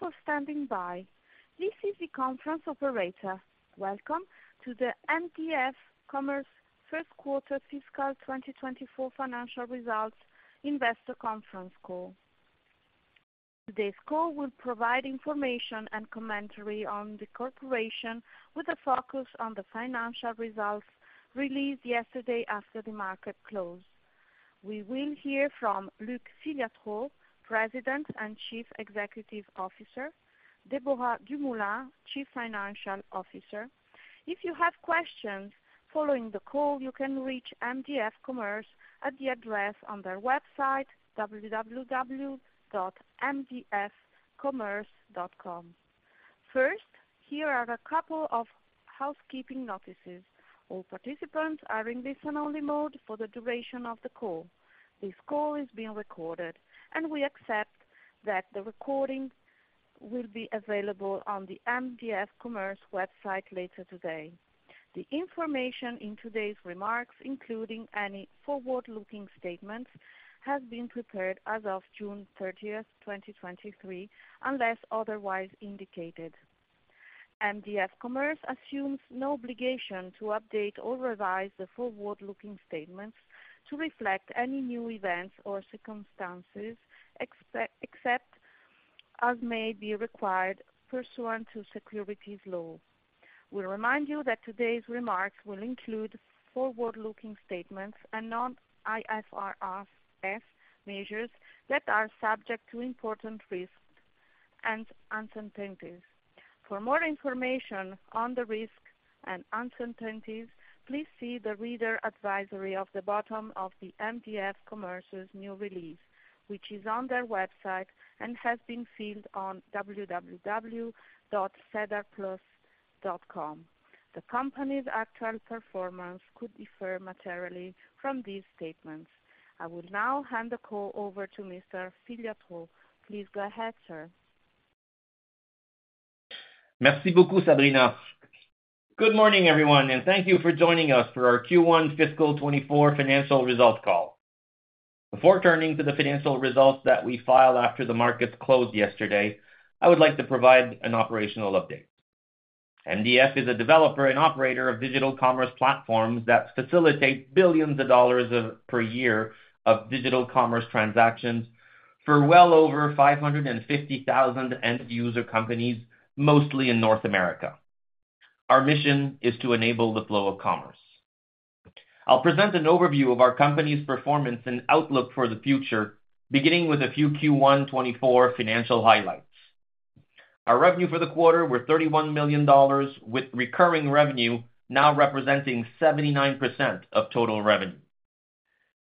Thank you for standing by. This is the conference operator. Welcome to the mdf commerce First Quarter Fiscal 2024 Financial Results Investor Conference Call. Today's call will provide information and commentary on the corporation, with a focus on the financial results released yesterday after the market closed. We will hear from Luc Filiatreault, President and Chief Executive Officer, Deborah Dumoulin, Chief Financial Officer. If you have questions following the call, you can reach mdf commerce at the address on their website, mdfcommerce.com. First, here are a couple of housekeeping notices. All participants are in listen-only mode for the duration of the call. This call is being recorded, and we accept that the recording will be available on the mdf commerce website later today. The information in today's remarks, including any forward-looking statements, has been prepared as of June 30th, 2023, unless otherwise indicated. mdf commerce assumes no obligation to update or revise the forward-looking statements to reflect any new events or circumstances, except, except as may be required pursuant to securities law. We remind you that today's remarks will include forward-looking statements and non-IFRS measures that are subject to important risks and uncertainties. For more information on the risks and uncertainties, please see the reader advisory of the bottom of the mdf commerce's new release, which is on their website and has been filed on www.sedarplus.ca. The company's actual performance could differ materially from these statements. I will now hand the call over to Mr. Filiatreault. Please go ahead, sir. Merci beaucoup, Sabrina. Good morning, everyone, and thank you for joining us for our Q1 fiscal 2024 financial results call. Before turning to the financial results that we filed after the markets closed yesterday, I would like to provide an operational update. mdf is a developer and operator of digital commerce platforms that facilitate billions of dollars of per year of digital commerce transactions for well over 550,000 end user companies, mostly in North America. Our mission is to enable the flow of commerce. I'll present an overview of our company's performance and outlook for the future, beginning with a few Q1 2024 financial highlights. Our revenue for the quarter were $31 million, with recurring revenue now representing 79% of total revenue.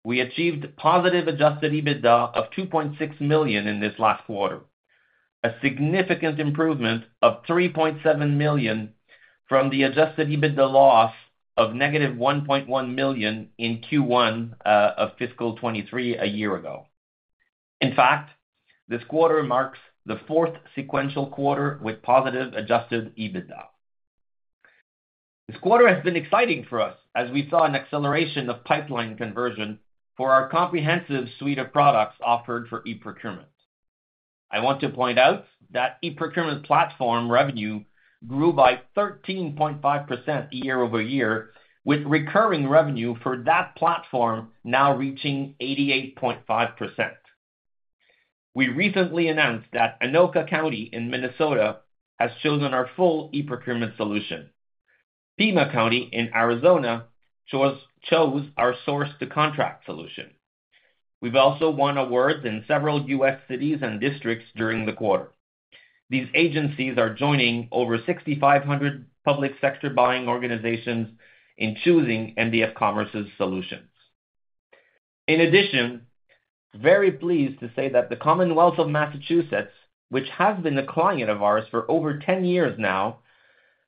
We achieved positive Adjusted EBITDA of 2.6 million in this last quarter, a significant improvement of 3.7 million from the Adjusted EBITDA loss of -1.1 million in Q1 of fiscal 2023, a year ago. In fact, this quarter marks the fourth sequential quarter with positive Adjusted EBITDA. This quarter has been exciting for us as we saw an acceleration of pipeline conversion for our comprehensive suite of products offered for eProcurement. I want to point out that eProcurement platform revenue grew by 13.5% year-over-year, with recurring revenue for that platform now reaching 88.5%. We recently announced that Anoka County in Minnesota has chosen our full eProcurement solution. Pima County in Arizona chose our source-to-contract solution. We've also won awards in several U.S. cities and districts during the quarter. These agencies are joining over 6,500 public sector buying organizations in choosing mdf commerce's solutions. In addition, very pleased to say that the Commonwealth of Massachusetts, which has been a client of ours for over 10 years now,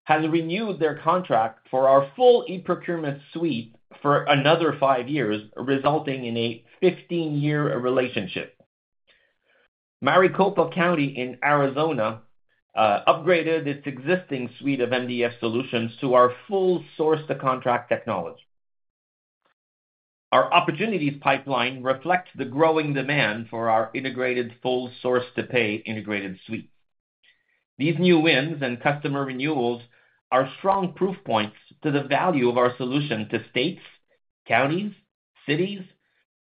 has renewed their contract for our full e-procurement suite for another five years, resulting in a 15-year relationship. Maricopa County in Arizona, upgraded its existing suite of mdf solutions to our full source-to-contract technology. Our opportunities pipeline reflects the growing demand for our integrated full source-to-pay integrated suite. These new wins and customer renewals are strong proof points to the value of our solution to states, counties, cities,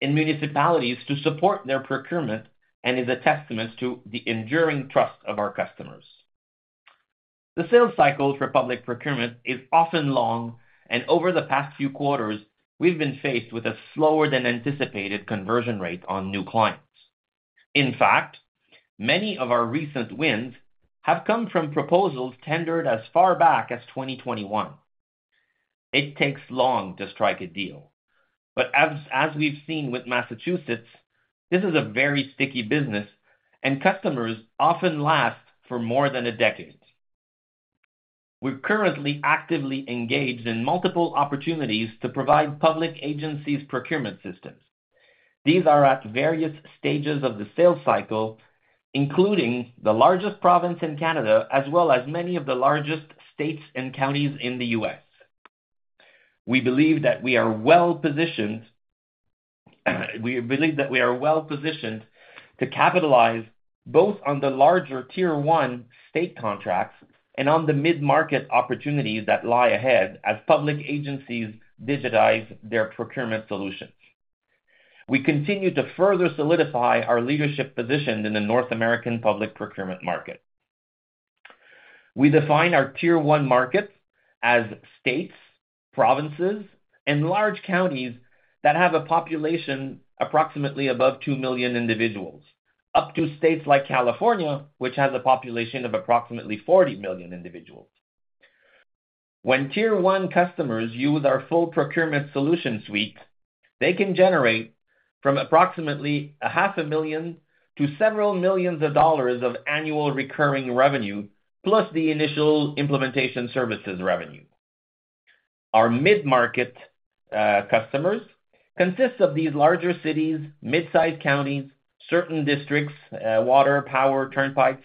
and municipalities to support their procurement and is a testament to the enduring trust of our customers. The sales cycles for public procurement is often long, and over the past few quarters, we've been faced with a slower than anticipated conversion rate on new clients. In fact, many of our recent wins have come from proposals tendered as far back as 2021. It takes long to strike a deal, but as, as we've seen with Massachusetts, this is a very sticky business and customers often last for more than one decade. We're currently actively engaged in multiple opportunities to provide public agencies procurement systems. These are at various stages of the sales cycle, including the largest province in Canada, as well as many of the largest states and counties in the U.S. We believe that we are well-positioned, we believe that we are well-positioned to capitalize both on the larger Tier One state contracts and on the mid-market opportunities that lie ahead as public agencies digitize their procurement solutions. We continue to further solidify our leadership position in the North American public procurement market. We define our Tier One markets as states, provinces, and large counties that have a population approximately above 2 million individuals, up to states like California, which has a population of approximately 40 million individuals. When Tier One customers use our full procurement solution suite, they can generate from approximately $500,000 to several millions of dollars of annual recurring revenue, plus the initial implementation services revenue. Our mid-market customers consist of these larger cities, mid-size counties, certain districts, water, power, turnpikes,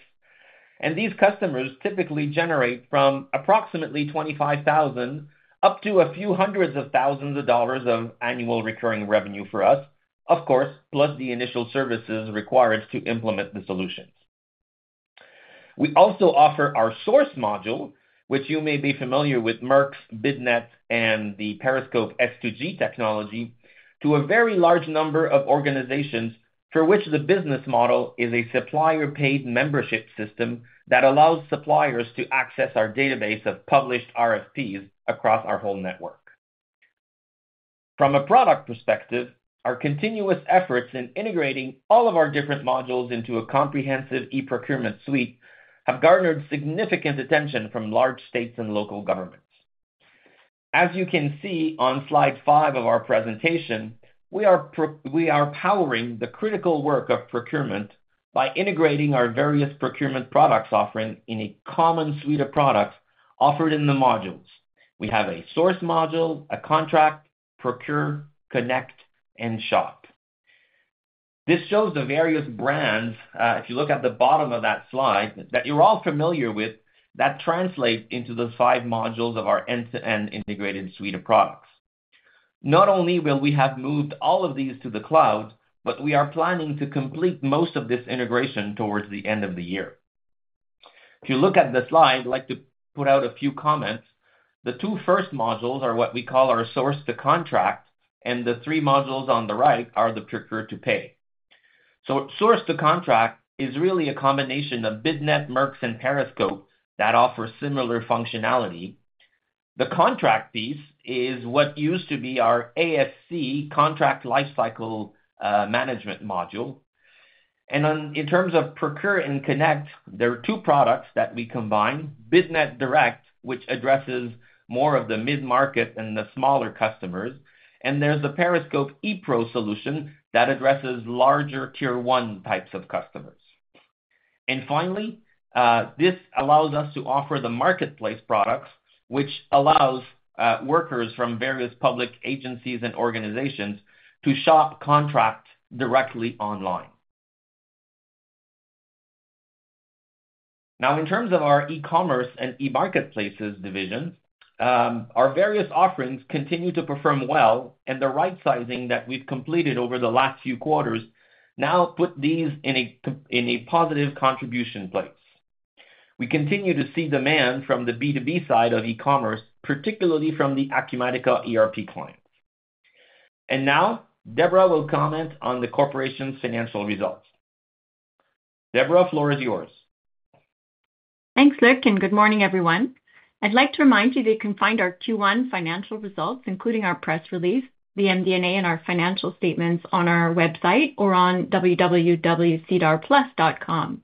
and these customers typically generate from approximately $25,000 up to a few hundreds of thousands of dollars of annual recurring revenue for us, of course, plus the initial services required to implement the solutions. We also offer our source module, which you may be familiar with, Merx Bidnet and the Periscope S2G technology, to a very large number of organizations for which the business model is a supplier-paid membership system that allows suppliers to access our database of published RFPs across our whole network. From a product perspective, our continuous efforts in integrating all of our different modules into a comprehensive e-procurement suite have garnered significant attention from large states and local governments. As you can see on slide five of our presentation, we are powering the critical work of procurement by integrating our various procurement products offering in a common suite of products offered in the modules. We have a source module, a contract, procure, connect, and shop. This shows the various brands, if you look at the bottom of that slide, that you're all familiar with, that translate into the five modules of our end-to-end integrated suite of products. Not only will we have moved all of these to the cloud, but we are planning to complete most of this integration towards the end of the year. If you look at the slide, I'd like to put out a few comments. The two first modules are what we call our source-to-contract, and the three modules on the right are the procure to pay. Source to contract is really a combination of Bidnet, Merx, and Periscope that offers similar functionality. The contract piece is what used to be our ASC contract lifecycle management module. Then in terms of procure and connect, there are two products that we combine, Bidnet Direct, which addresses more of the mid-market and the smaller customers, and there's a Periscope ePro solution that addresses larger Tier One types of customers. Finally, this allows us to offer the marketplace products, which allows workers from various public agencies and organizations to shop, contract directly online. Now, in terms of our e-commerce and e-marketplaces divisions, our various offerings continue to perform well, and the right sizing that we've completed over the last few quarters now put these in a positive contribution place. We continue to see demand from the B2B side of e-commerce, particularly from the Acumatica ERP clients. Now, Deborah will comment on the corporation's financial results. Deborah, floor is yours. Thanks, Luc. Good morning, everyone. I'd like to remind you that you can find our Q1 financial results, including our press release, the MD&A, and our financial statements on our website or on www.sedarplus.com.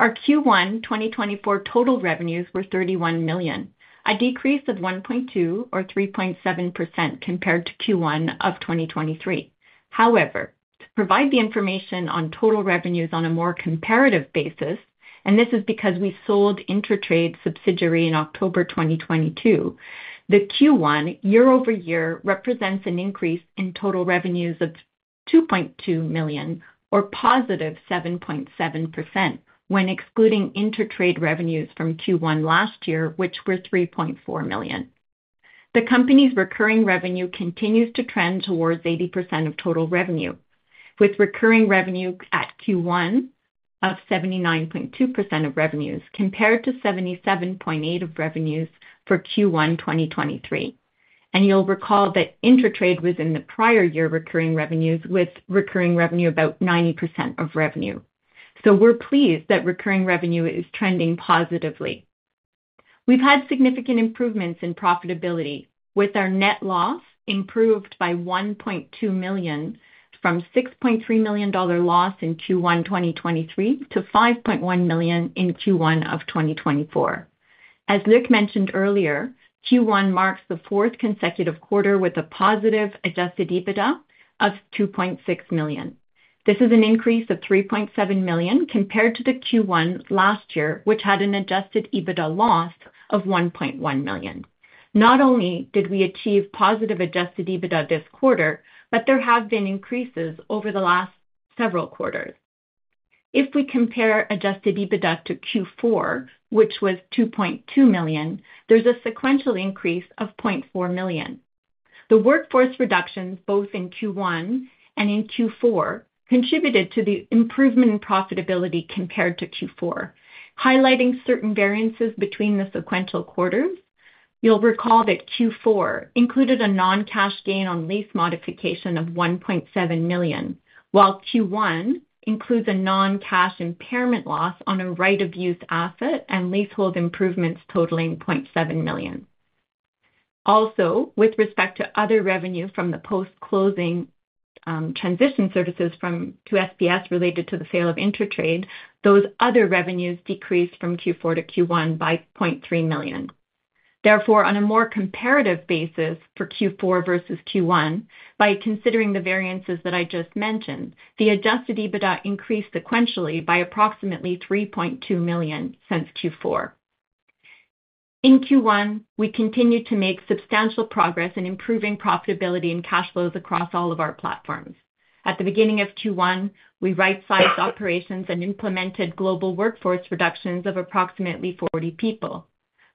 Our Q1 2024 total revenues were CAD 31 million, a decrease of 1.2 million or 3.7% compared to Q1 of 2023. However, to provide the information on total revenues on a more comparative basis, and this is because we sold InterTrade subsidiary in October 2022, the Q1 year-over-year represents an increase in total revenues of 2.2 million or positive 7.7%, when excluding InterTrade revenues from Q1 last year, which were 3.4 million. The company's recurring revenue continues to trend towards 80% of total revenue, with recurring revenue at Q1 of 79.2% of revenues, compared to 77.8% of revenues for Q1 2023. You'll recall that InterTrade was in the prior year recurring revenues, with recurring revenue about 90% of revenue. We're pleased that recurring revenue is trending positively. We've had significant improvements in profitability, with our net loss improved by 1.2 million, from 6.3 million dollar loss in Q1 2023 to 5.1 million in Q1 of 2024. As Luc mentioned earlier, Q1 marks the fourth consecutive quarter with a positive Adjusted EBITDA of 2.6 million. This is an increase of 3.7 million compared to the Q1 last year, which had an Adjusted EBITDA loss of 1.1 million. Not only did we achieve positive Adjusted EBITDA this quarter, there have been increases over the last several quarters. If we compare Adjusted EBITDA to Q4, which was $2.2 million, there's a sequential increase of $0.4 million. The workforce reductions, both in Q1 and in Q4, contributed to the improvement in profitability compared to Q4, highlighting certain variances between the sequential quarters. You'll recall that Q4 included a non-cash gain on lease modification of $1.7 million, while Q1 includes a non-cash impairment loss on a right-of-use asset and leasehold improvements totaling $0.7 million. Also, with respect to other revenue from the post-closing transition services to SPS related to the sale of InterTrade, those other revenues decreased from Q4 to Q1 by $0.3 million. On a more comparative basis for Q4 versus Q1, by considering the variances that I just mentioned, the Adjusted EBITDA increased sequentially by approximately 3.2 million since Q4. In Q1, we continued to make substantial progress in improving profitability and cash flows across all of our platforms. At the beginning of Q1, we right-sized operations and implemented global workforce reductions of approximately 40 people.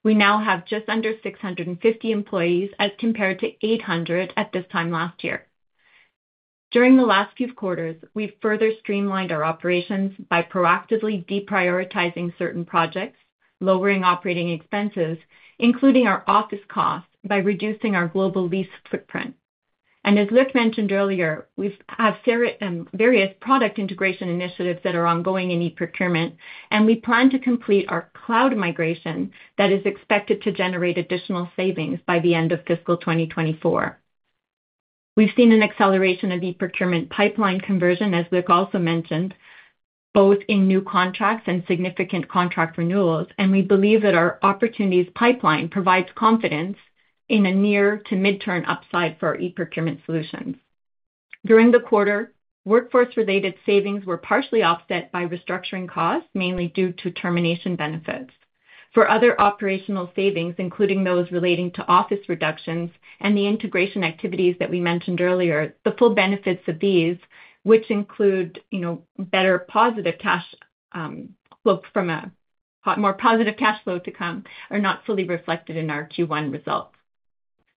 We now have just under 650 employees as compared to 800 at this time last year. During the last few quarters, we've further streamlined our operations by proactively deprioritizing certain projects, lowering operating expenses, including our office costs, by reducing our global lease footprint. As Luc mentioned earlier, we've have various product integration initiatives that are ongoing in eProcurement, and we plan to complete our cloud migration that is expected to generate additional savings by the end of fiscal 2024. We've seen an acceleration of eProcurement pipeline conversion, as Luc also mentioned, both in new contracts and significant contract renewals. We believe that our opportunities pipeline provides confidence in a near to mid-term upside for our eProcurement solutions. During the quarter, workforce-related savings were partially offset by restructuring costs, mainly due to termination benefits. For other operational savings, including those relating to office reductions and the integration activities that we mentioned earlier, the full benefits of these, which include, you know, better positive cash flow from more positive cash flow to come, are not fully reflected in our Q1 results.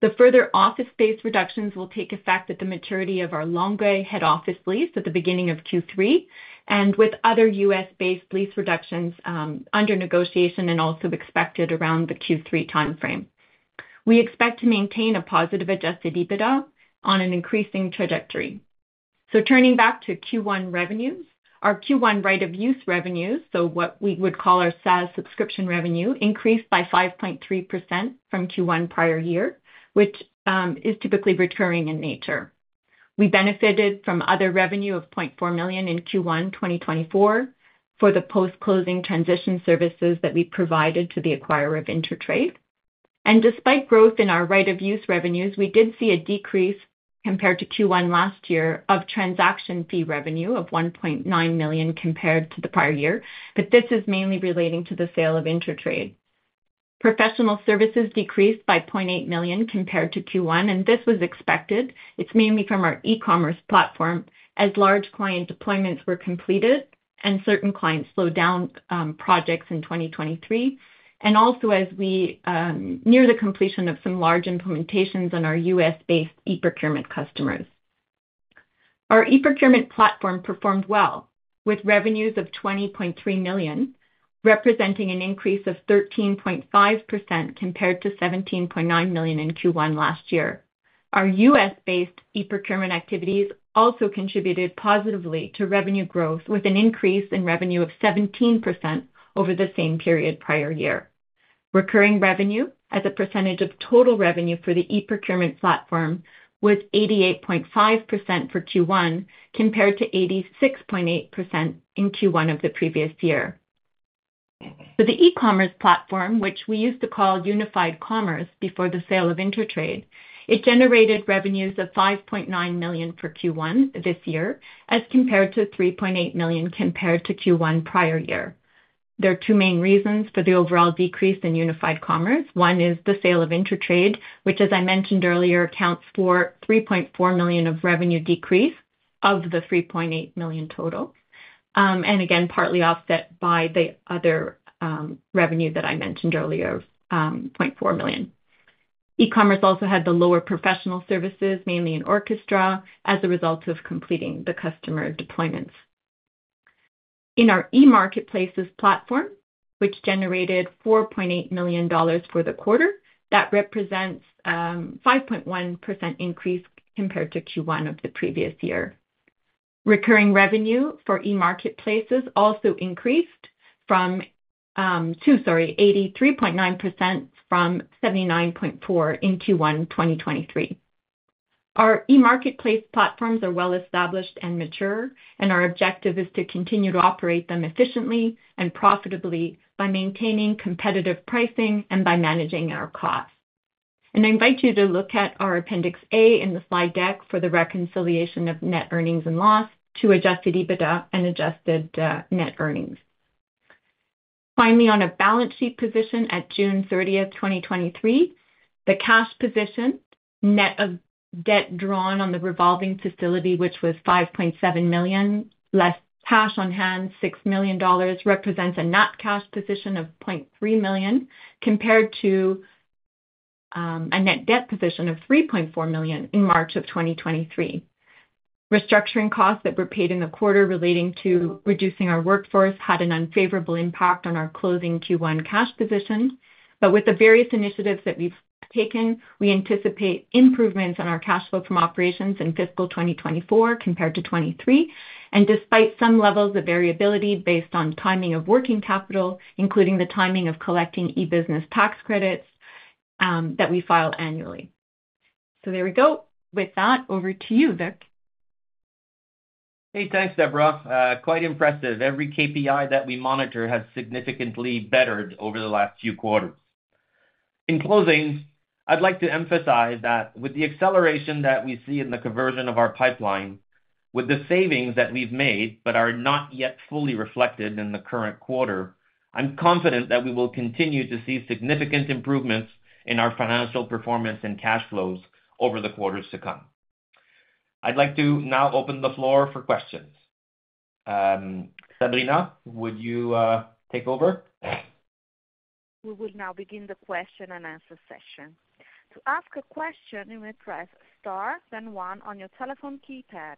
The further office space reductions will take effect at the maturity of our Longueuil head office lease at the beginning of Q3, and with other U.S.-based lease reductions under negotiation and also expected around the Q3 timeframe. We expect to maintain a positive Adjusted EBITDA on an increasing trajectory. Turning back to Q1 revenues. Our Q1 right of use revenues, so what we would call our SaaS subscription revenue, increased by 5.3% from Q1 prior year, which is typically recurring in nature. We benefited from other revenue of CAD 0.4 million in Q1, 2024, for the post-closing transition services that we provided to the acquirer of InterTrade. Despite growth in our right of use revenues, we did see a decrease compared to Q1 last year of transaction fee revenue of $1.9 million compared to the prior year. This is mainly relating to the sale of InterTrade. Professional services decreased by $0.8 million compared to Q1. This was expected. It's mainly from our e-commerce platform, as large client deployments were completed and certain clients slowed down projects in 2023, and also as we near the completion of some large implementations on our U.S.-based eProcurement customers. Our eProcurement platform performed well, with revenues of $20.3 million, representing an increase of 13.5% compared to $17.9 million in Q1 last year. Our U.S.-based eProcurement activities also contributed positively to revenue growth, with an increase in revenue of 17% over the same period prior year. Recurring revenue, as a percentage of total revenue for the eProcurement platform, was 88.5% for Q1, compared to 86.8% in Q1 of the previous year. For the e-commerce platform, which we used to call Unified Commerce before the sale of InterTrade, it generated revenues of $5.9 million for Q1 this year, as compared to $3.8 million compared to Q1 prior year. There are two main reasons for the overall decrease in Unified Commerce. One is the sale of InterTrade, which, as I mentioned earlier, accounts for $3.4 million of revenue decrease of the $3.8 million total, and again, partly offset by the other revenue that I mentioned earlier, of $0.4 million. E-commerce also had the lower professional services, mainly in Orckestra, as a result of completing the customer deployments. In our e-marketplaces platform, which generated $4.8 million for the quarter, that represents 5.1% increase compared to Q1 of the previous year. Recurring revenue for e-marketplaces also increased from 83.9% from 79.4% in Q1 2023. Our e-marketplace platforms are well-established and mature. Our objective is to continue to operate them efficiently and profitably by maintaining competitive pricing and by managing our costs. I invite you to look at our Appendix A in the slide deck for the reconciliation of net earnings and loss to Adjusted EBITDA and adjusted net earnings. Finally, on a balance sheet position at June 30, 2023, the cash position, net of debt drawn on the revolving facility, which was $5.7 million, less cash on hand, $6 million, represents a net cash position of $0.3 million, compared to a net debt position of $3.4 million in March of 2023. Restructuring costs that were paid in the quarter relating to reducing our workforce had an unfavorable impact on our closing Q1 cash position. With the various initiatives that we've taken, we anticipate improvements in our cash flow from operations in fiscal 2024 compared to 2023, and despite some levels of variability based on timing of working capital, including the timing of collecting e-business tax credits that we file annually. There we go. With that, over to you, Luc. Hey, thanks, Deborah. Quite impressive. Every KPI that we monitor has significantly bettered over the last few quarters. In closing, I'd like to emphasize that with the acceleration that we see in the conversion of our pipeline, with the savings that we've made but are not yet fully reflected in the current quarter, I'm confident that we will continue to see significant improvements in our financial performance and cash flows over the quarters to come. I'd like to now open the floor for questions. Sabrina, would you take over? We will now begin the question and answer session. To ask a question, you may press star, then one on your telephone keypad.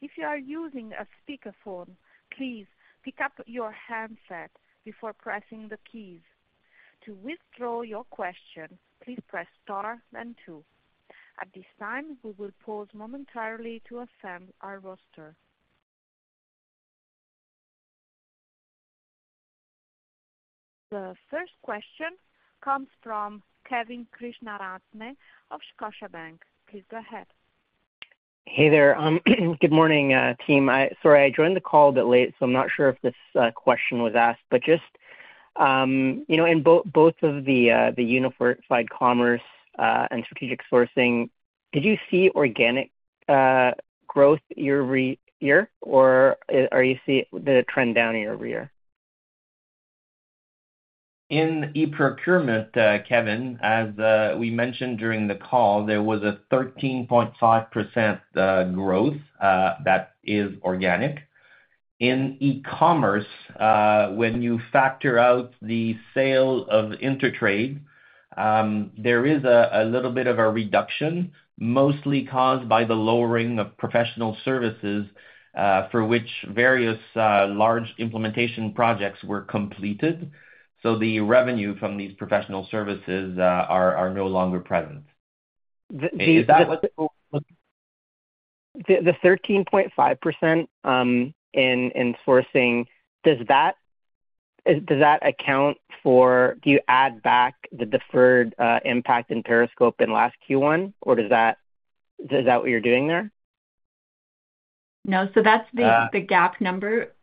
If you are using a speakerphone, please pick up your handset before pressing the keys. To withdraw your question, please press star, then two. At this time, we will pause momentarily to assess our roster. The first question comes from Kevin Krishnaratne of Scotiabank. Please go ahead. Hey there. Good morning, team. I, sorry, I joined the call a bit late, so I'm not sure if this question was asked, but just, you know, in both of the Unified Commerce and strategic sourcing, did you see organic growth year-over-year, or are you see the trend down year-over-year? In eProcurement, Kevin, as we mentioned during the call, there was a 13.5% growth that is organic. In ecommerce, when you factor out the sale of InterTrade, there is a little bit of a reduction, mostly caused by the lowering of professional services, for which various large implementation projects were completed. The revenue from these professional services are no longer present. Is that what. The, the 13.5%, in, in sourcing, does that, does that account for, do you add back the deferred, impact in Periscope in last Q1, or does that- is that what you're doing there? No. Uh. The GAAP number.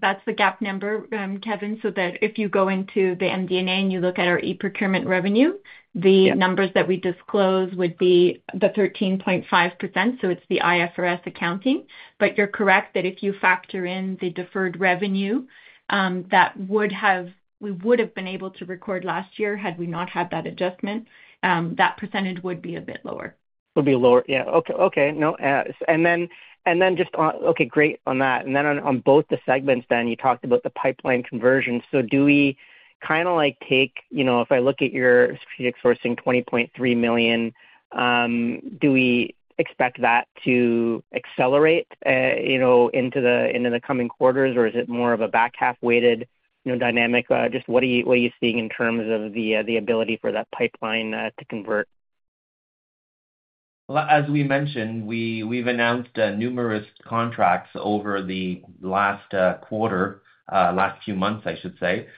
That's the GAAP number, Kevin. That if you go into the MD&A and you look at our e-procurement revenue. Yeah. The numbers that we disclose would be the 13.5%, so it's the IFRS accounting. You're correct, that if you factor in the deferred revenue, that would have, we would have been able to record last year had we not had that adjustment, that percentage would be a bit lower. Would be lower. Yeah. Okay, okay. No, and then, and then just on. Okay, great on that. And then on, on both the segments, then, you talked about the pipeline conversion. Do we kind of, like, take, you know, if I look at your strategic sourcing, 20.3 million, do we expect that to accelerate, you know, into the, into the coming quarters? Or is it more of a back half-weighted, you know, dynamic? Just what are you, what are you seeing in terms of the ability for that pipeline to convert? Well, as we mentioned, we, we've announced numerous contracts over the last quarter, last few months, I should say.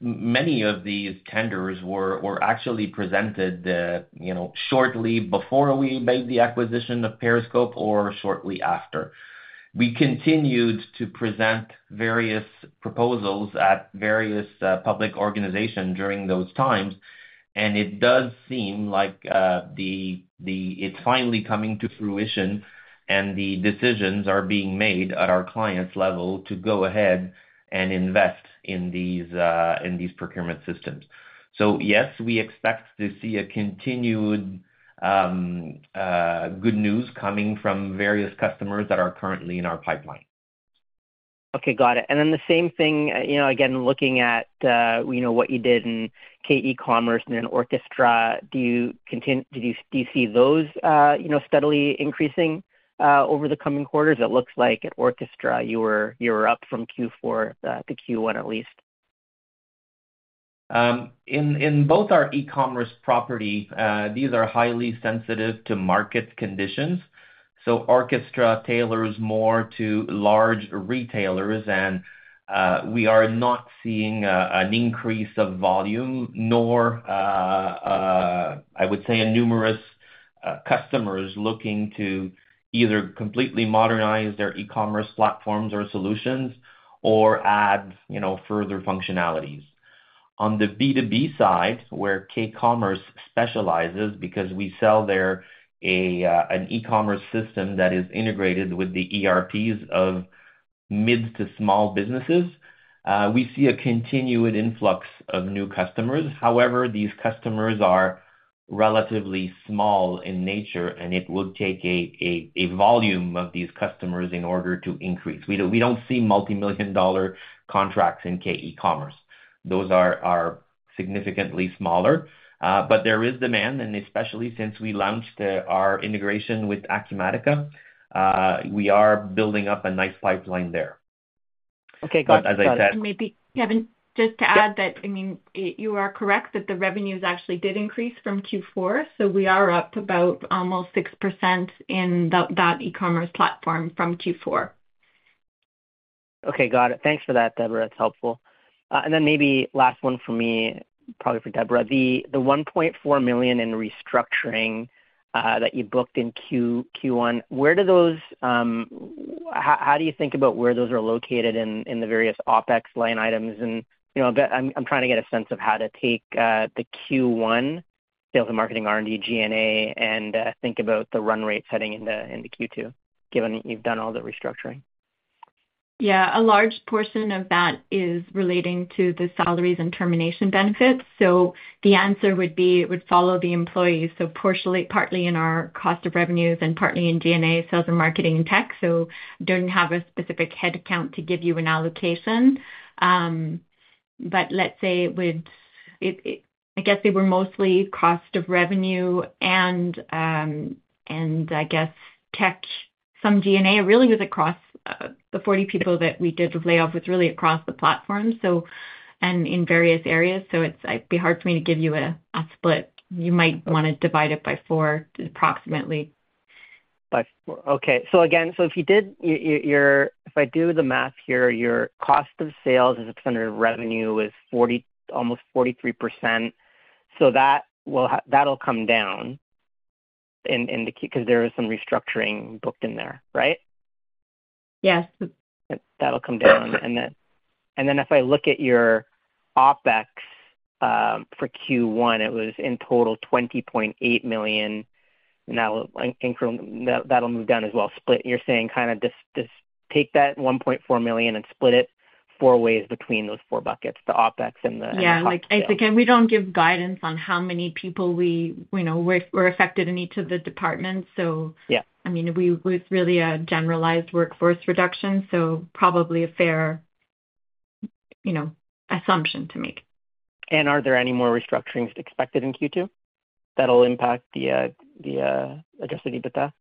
Many of these tenders were, were actually presented, you know, shortly before we made the acquisition of Periscope or shortly after. We continued to present various proposals at various public organization during those times, and it does seem like it's finally coming to fruition, and the decisions are being made at our clients' level to go ahead and invest in these in these procurement systems. Yes, we expect to see a continued good news coming from various customers that are currently in our pipeline. Okay, got it. The same thing, you know, again, looking at, you know, what you did in k-eCommerce and in Orckestra, do you do you, do you see those, you know, steadily increasing, over the coming quarters? It looks like at Orckestra, you were, you were up from Q4, to Q1, at least. In, in both our e-commerce property, these are highly sensitive to market conditions. Orckestra tailors more to large retailers, and we are not seeing an increase of volume, nor, I would say, numerous customers looking to either completely modernize their e-commerce platforms or solutions or add, you know, further functionalities. On the B2B side, where k-eCommerce specializes, because we sell there a an e-commerce system that is integrated with the ERPs of mid to small businesses, we see a continued influx of new customers. However, these customers are relatively small in nature, and it would take a volume of these customers in order to increase. We don't, we don't see multimillion-dollar contracts in k-eCommerce. Those are, are significantly smaller. There is demand, and especially since we launched, our integration with Acumatica, we are building up a nice pipeline there. Okay, got it. As I said. Maybe, Kevin, just to add that, I mean, you are correct that the revenues actually did increase from Q4, so we are up about almost 6% in that, that e-commerce platform from Q4. Okay, got it. Thanks for that, Deborah. That's helpful. Then maybe last one for me, probably for Deborah. The 1.4 million in restructuring that you booked in Q1, where do those, how do you think about where those are located in the various OpEx line items? You know, I'm trying to get a sense of how to take the Q1 sales and marketing R&D, G&A, and think about the run rate heading into Q2, given that you've done all the restructuring. Yeah. A large portion of that is relating to the salaries and termination benefits. The answer would be, it would follow the employees, so partially, partly in our cost of revenues and partly in G&A, sales and marketing tech. Don't have a specific head count to give you an allocation. Let's say I guess they were mostly cost of revenue and, and I guess tech, some G&A. It really was across the 40 people that we did the layoff was really across the platform, so, and in various areas. It's, it'd be hard for me to give you a, a split. You might wanna divide it by four, approximately. By four. Okay. Again, if you did, if I do the math here, your cost of sales as a percent of revenue was 40, almost 43%. That'll come down in the Q, 'cause there was some restructuring booked in there, right? Yes. That'll come down. Then, and then if I look at your OpEx for Q1, it was in total $20.8 million, now, I think that'll move down as well. Split, you're saying kind of just, just take that $1.4 million and split it four ways between those four buckets, the OpEx and the. Yeah. Like, again, we don't give guidance on how many people we, you know, were, were affected in each of the departments. Yeah. I mean, it was really a generalized workforce reduction, so probably a fair, you know, assumption to make. Are there any more restructurings expected in Q2 that'll impact the Adjusted EBITDA?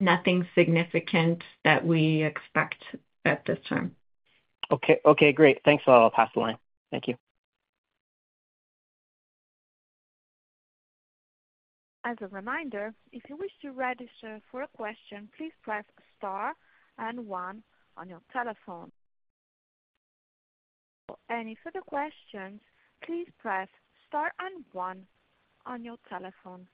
Nothing significant that we expect at this time. Okay, okay, great. Thanks a lot. I'll pass the line. Thank you. As a reminder, if you wish to register for a question, please press star and one on your telephone. Any further questions, please press star and one on your telephone.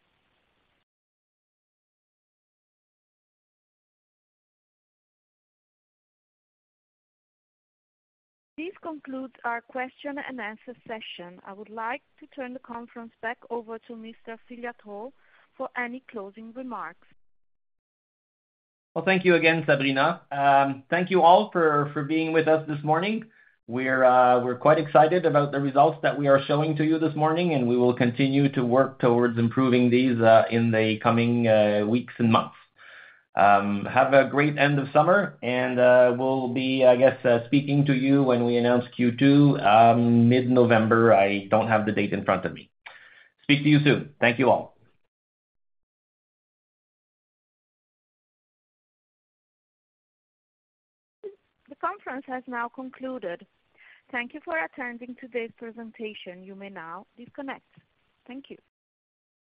This concludes our question and answer session. I would like to turn the conference back over to Mr. Filiatreault for any closing remarks. Well, thank you again, Sabrina. Thank you all for, for being with us this morning. We're, we're quite excited about the results that we are showing to you this morning, and we will continue to work towards improving these, in the coming, weeks and months. Have a great end of summer, and, we'll be, I guess, speaking to you when we announce Q2, mid-November. I don't have the date in front of me. Speak to you soon. Thank you all. The conference has now concluded. Thank you for attending today's presentation. You may now disconnect. Thank you.